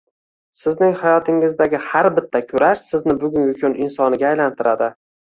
Sizning hayotingizdagi har bitta kurash sizni bugungi kun insoniga aylantiradi